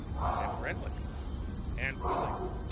And friendly. And willing.